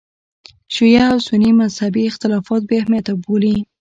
شیعه او سني مذهبي اختلافات بې اهمیته وبولي.